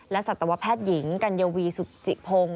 สัตวแพทย์หญิงกัญวีสุจิพงศ์